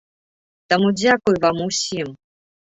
Таму дзякуй вам усім.